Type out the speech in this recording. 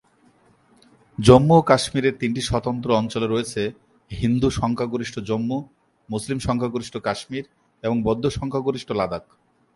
জম্মু ও কাশ্মীরের তিনটি স্বতন্ত্র অঞ্চল রয়েছে: হিন্দু সংখ্যাগরিষ্ঠ জম্মু, মুসলিম সংখ্যাগরিষ্ঠ কাশ্মীর এবং বৌদ্ধ সংখ্যাগরিষ্ঠ লাদাখ।